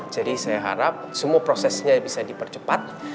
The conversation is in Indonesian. jadi saya harap semua prosesnya bisa dipercepat